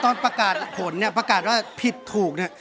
ตอนประกาศผลเนี่ยประกาศว่าผิดถูกเนี่ย